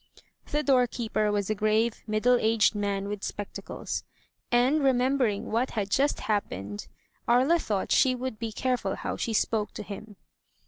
The doorkeeper was a grave, middle aged man with spectacles; and, remembering what had just happened. Aria thought she would be careful how she spoke to him.